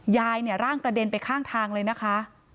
ยายเนี่ยร่างกระเด็นไปข้างทางเลยนะคะ